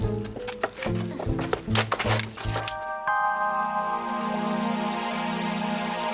bahasa indonesia lebih menyesuaikan